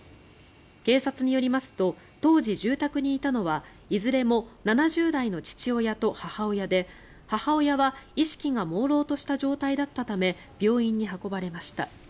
警察によりますと当時、住宅にいたのはいずれも７０代の父親と母親で母親は意識がもうろうとした状態だったため病院に運ばれました。